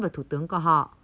vào thủ tướng của họ